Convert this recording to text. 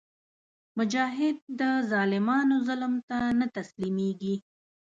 مجاهد د ظالمانو ظلم ته نه تسلیمیږي.